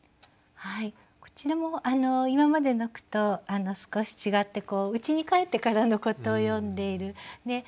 はいこちらも今までの句と少し違ってうちに帰ってからのことを詠んでいる。